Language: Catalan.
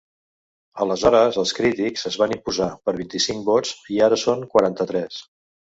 Aleshores els crítics es van imposar per vint-i-cinc vots, i ara són quaranta-tres.